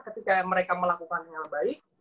ketika mereka melakukan hal yang baik